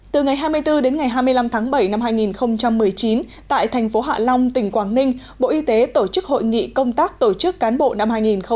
từ ngày hai mươi bốn đến ngày hai mươi năm tháng bảy năm hai nghìn một mươi chín tại thành phố hạ long tỉnh quảng ninh bộ y tế tổ chức hội nghị công tác tổ chức cán bộ năm hai nghìn một mươi chín